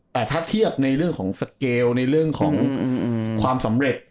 แต่ถ้าเทียบในเรื่องของสเกลในเรื่องของความสำเร็จ